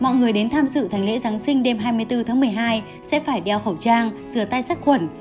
mọi người đến tham dự thành lễ giáng sinh đêm hai mươi bốn tháng một mươi hai sẽ phải đeo khẩu trang rửa tay sát khuẩn